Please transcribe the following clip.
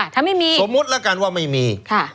ถ้าไม่มีสมมุติแล้วกันว่าไม่มี